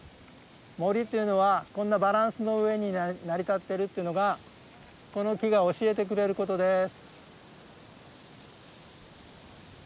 森というのはこんなバランスの上に成り立ってるってのがこの木が教えてくれることです。